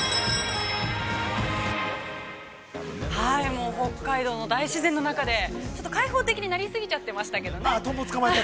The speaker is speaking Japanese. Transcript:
◆もう北海道の大自然の中で、開放的になり過ぎちゃってましたけどね。